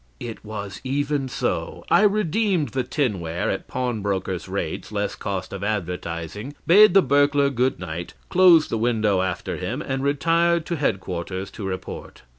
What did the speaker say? "It was even so. I redeemed the tinware at pawnbroker's rates, less cost of advertising, bade the burglar good night, closed the window after him, and retired to headquarters to report.